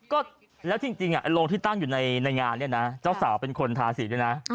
ก็แล้วจริงโรงที่ตั้งอยู่ในงานเนี่ยนะเจ้าสาวเป็นคนทาสีด้วยนะ